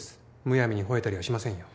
むやみに吠えたりはしませんよ。